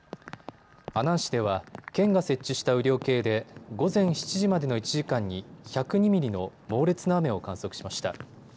阿南市では県が設置した雨量計で午前７時までの１時間に１０２ミリの猛烈な雨を観測しました。